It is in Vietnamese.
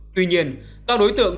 tuy nhiên các đối tượng